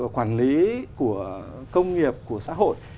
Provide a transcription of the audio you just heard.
quản lý của công nghiệp của xã hội